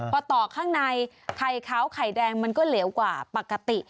พอต่อข้างในไข่ขาวไข่แดงมันก็เหลวกว่าปกติ